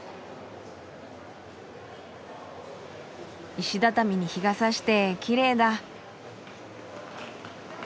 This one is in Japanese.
石畳に日がさしてきれいだ。